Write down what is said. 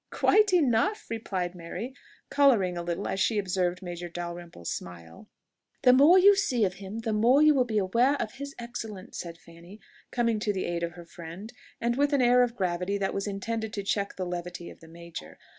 "Quite enough!" replied Mary, colouring a little as she observed Major Dalrymple smile. "The more you see of him, the more you will be aware of his excellence," said Fanny, coming to the aid of her friend, and with an air of gravity that was intended to check the levity of the major.